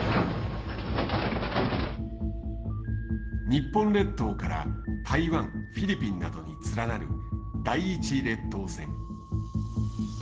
日本列島から台湾フィリピンなどに連なる第１列島線。